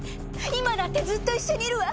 今だってずっと一緒にいるわ。